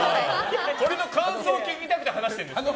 これの感想を聞きたくて話しているんです。